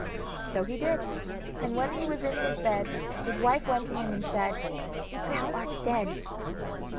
So he did, and when he was in his bed his wife went to him and said: 'Thou art dead.